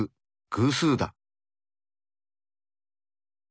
偶数だ。